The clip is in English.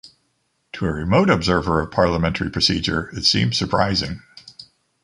To a remote observer of parliamentary procedure it seems surprising.